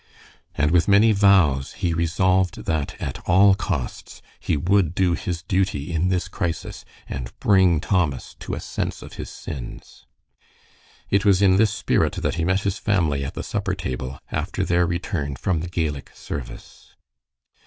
And with many vows he resolved that, at all costs, he would do his duty in this crisis and bring Thomas to a sense of his sins. It was in this spirit that he met his family at the supper table, after their return from the Gaelic service.